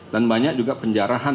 dan banyak juga penjarahan